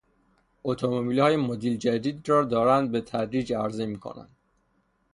اتومبیلهای مدل جدید را دارند به تدریج عرضه میکنند.